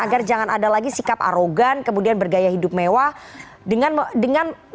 agar jangan ada lagi sikap arogan kemudian bergaya hidup mewah dengan dengan dengan yang diperhatikan